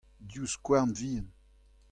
div skouarn vihan.